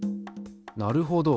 なるほど。